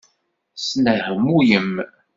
Tesnehmuyem.